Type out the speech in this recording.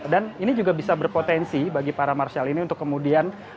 dan ini juga bisa berpotensi bagi para marshal ini untuk kemudian